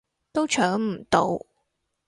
都搶唔到